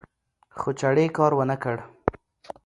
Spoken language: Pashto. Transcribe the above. خو چړې کار ونکړ